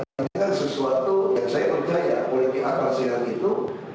nah ini kan sesuatu yang saya percaya politik akrasi yang itu